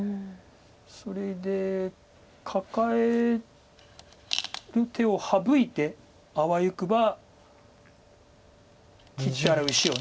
それでカカえる手を省いてあわよくば切ってある石を。